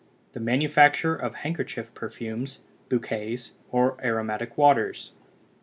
THE MANUFACTURE OF HANDKERCHIEF PERFUMES, BOUQUETS, OR AROMATIC WATERS.